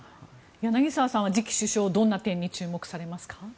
柳澤さんは次期首相どんな点に注目されますか？